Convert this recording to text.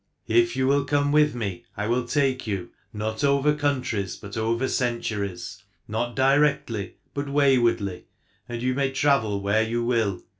If you will come with me I will take you not over countries but over centuries, not directly, but waywardly, and you may travel where you will.